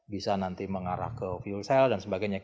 bisa nanti mengarah ke fuel cell dan sebagainya